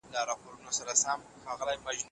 خاوند حق لري چې د کور مالي پلان جوړ کړي.